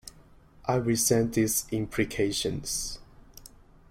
I resent these implications.